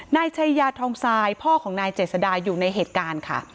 นายชัยยาทองทรายพ่อของนายเจษดาอยู่ในเหตุการณ์ค่ะ